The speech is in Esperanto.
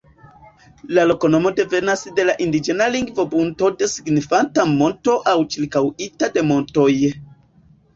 La loknomo devenas de indiĝena lingvo "buntod" signifanta "monto" aŭ "ĉirkaŭita de montoj".